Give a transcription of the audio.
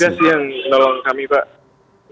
ada petugas yang nolong kami pak